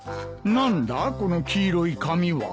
何だこの黄色い紙は？